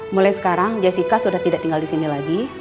mulai sekarang jessica sudah tidak tinggal disini lagi